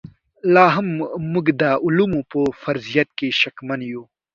لاهم موږ د علومو په فرضیت کې شکمن یو.